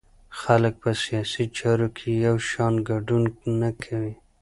خلک په سیاسي چارو کې یو شان ګډون نه کوي.